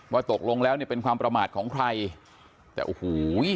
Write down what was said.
ว่าตกลงแล้วเนี่ยเป็นความประมาทของใครแต่โอ้โห